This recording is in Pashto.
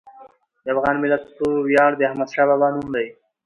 د افغان ملت ویاړ د احمدشاه بابا نوم دی.